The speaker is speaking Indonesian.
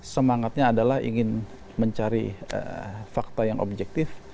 semangatnya adalah ingin mencari fakta yang objektif